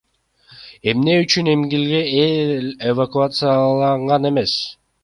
Эмне үчүн эмгиче эл эвакуацияланган эмес?